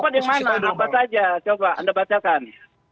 ya dua puluh empat di mana coba anda bacakan